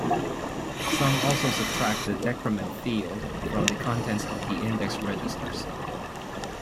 Some also subtract the "decrement" field from the contents of the index registers.